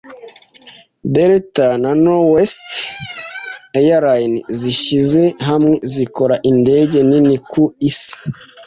Delta na Northwest Airlines zishyize hamwe zikora indege nini ku isi.